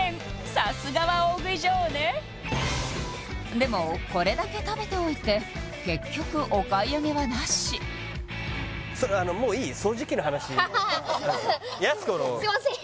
さすがは大食い女王ねでもこれだけ食べておいて結局お買い上げはなしハハハやす子のすいません